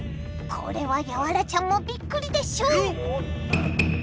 これはヤワラちゃんもびっくりでしょう！